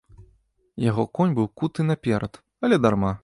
Яго конь быў куты на перад, але дарма.